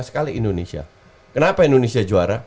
sekali indonesia kenapa indonesia juara